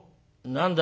何だ？